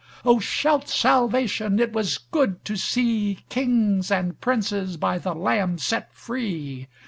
O, shout Salvation! It was good to seeKings and Princes by the Lamb set free.